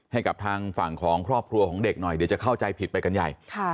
ให้กับทางฝั่งของครอบครัวของเด็กหน่อยเดี๋ยวจะเข้าใจผิดไปกันใหญ่